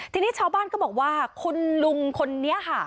ทีนี้ชาวบ้านก็บอกว่าคุณลุงคนนี้ค่ะ